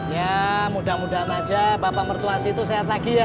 ya mudah mudahan aja papa mertua situ sehat lagi ya